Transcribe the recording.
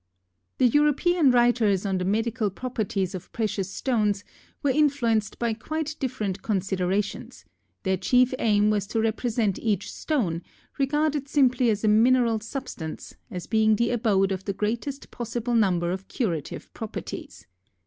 The European writers on the medical properties of precious stones were influenced by quite different considerations; their chief aim was to represent each stone, regarded simply as a mineral substance, as being the abode of the greatest possible number of curative properties.